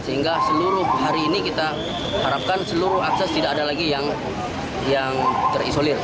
sehingga seluruh hari ini kita harapkan seluruh akses tidak ada lagi yang terisolir